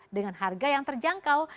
dengan harga yang terjangkau